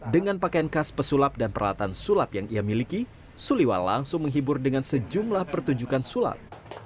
dengan pakaian khas pesulap dan peralatan sulap yang ia miliki suliwa langsung menghibur dengan sejumlah pertunjukan sulap